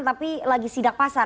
tapi lagi sidak pasar